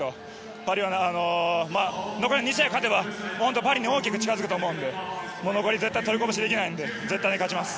残り２試合勝てばパリに大きく近づくと思うので残り絶対取りこぼしはできないので絶対勝ちます。